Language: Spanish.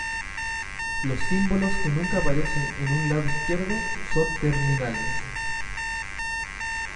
Los símbolos que nunca aparecen en un lado izquierdo son "terminales".